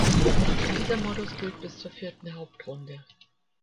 Dieser Modus gilt bis zur vierten Hauptrunde.